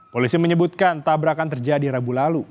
polisi menyebutkan tabrakan terjadi rabu lalu